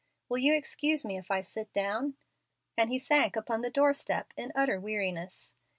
Will you excuse me if I sit down?" and he sank upon the door step in utter weakness.